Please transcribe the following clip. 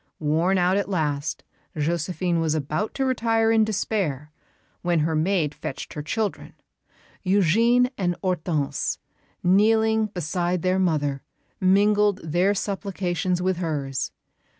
Worn out at last, Josephine was about to retire in despair, when her maid fetched her children. Eugène and Hortense, kneeling beside their mother, mingled their supplications with hers.